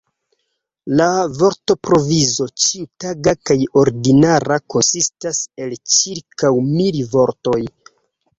La vortprovizo, ĉiutaga kaj ordinara, konsistas el ĉirkaŭ mil vortoj.